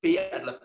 p adalah keuntungan